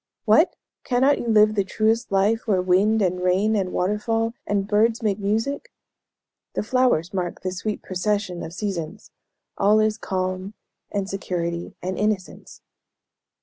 "What! cannot you live the truest life where wind, and rain, and water fall, and birds make music? the flowers mark the sweet procession of seasons all is calm, and security, and innocence."